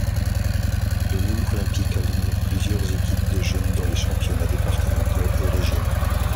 Le Nîmes Olympique aligne plusieurs équipes de jeunes dans les championnat départementaux et régionaux.